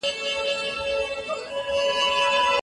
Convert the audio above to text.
پوښتنه کول د پوهي دروازه پرانیزي.